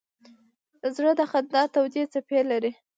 زړه د خندا تودې څپې لري.